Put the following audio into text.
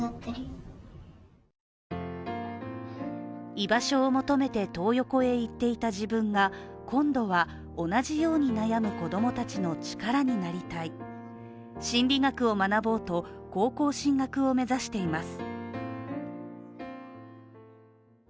居場所を求めてトー横へ行っていた自分が今度は同じように悩む子供たちの力になりたい心理学を学ぼうと、高校進学を目指しています。